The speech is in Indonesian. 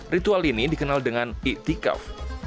ritual ini dikenal dengan iktikaf